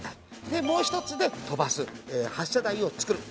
でもう一つで飛ばす発射台を作る。